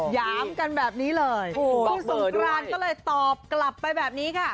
หยามกันแบบนี้เลยพี่สงกรานก็เลยตอบกลับไปแบบนี้ค่ะ